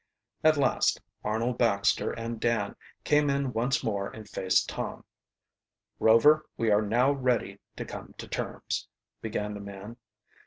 At last Arnold Baxter and Dan came in once more and faced Tom. "Rover, we are now ready to come to terms," began the man.